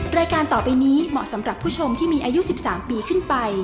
รายการต่อไปนี้เหมาะสำหรับผู้ชมที่มีอายุ๑๓ปีขึ้นไป